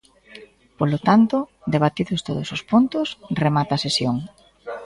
Polo tanto, debatidos todos os puntos, remata a sesión.